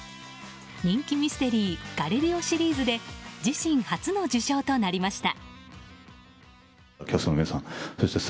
人気ミステリー「ガリレオ」シリーズで自身初の受賞となりました。